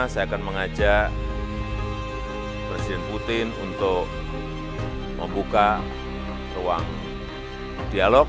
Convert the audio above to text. saya akan mengajak presiden putin untuk membuka ruang dialog